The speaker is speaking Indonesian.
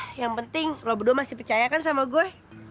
ya yang penting lo berdua masih percayakan sama gue